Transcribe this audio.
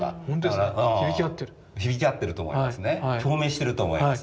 共鳴してると思います。